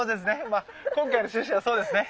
まあ今回の趣旨はそうですね。